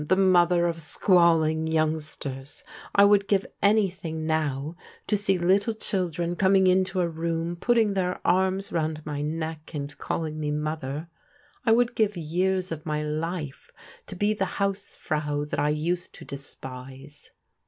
ibe caocber of squalling youngsters ! I would give azn thiirg now to see little children coming into a room, punizg their arms round my neck, and calling me mother. I would give years of my life to be the house frau that I used to desfnse."